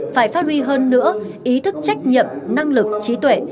phải phát huy hơn nữa ý thức trách nhiệm năng lực trí tuệ